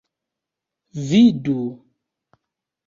vidu